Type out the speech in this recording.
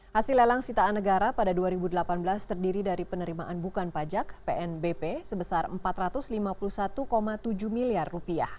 hasil lelang sitaan negara pada dua ribu delapan belas terdiri dari penerimaan bukan pajak pnbp sebesar rp empat ratus lima puluh satu tujuh miliar